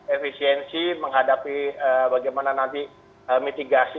efisiensi menghadapi bagaimana nanti mitigasi